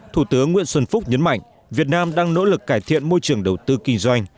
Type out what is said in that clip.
thủ tướng nguyễn xuân phúc nhấn mạnh việt nam đang nỗ lực cải thiện môi trường đầu tư kinh doanh